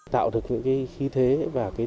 tạo được những khí thế và tính năng